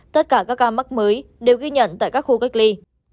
tất cả các ca mắc mới đều ghi nhận tại các khu cách ly